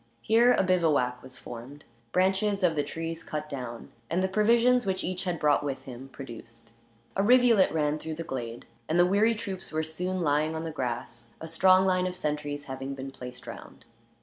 Here a bivouac was formed, branches of the trees cut down, and the provisions which each had brought with him produced. A rivulet ran through the glade, and the weary troops were soon lying on the grass, a strong line of sentries having been placed round.